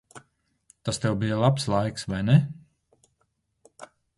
Tas tev bija labs laiks, vai ne?